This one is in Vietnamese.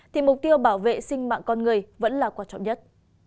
thì mục tiêu bảo vệ sinh mạng con người vẫn là quan trọng nhất